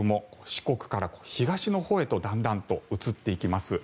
四国から東のほうへとだんだんと移っていきます。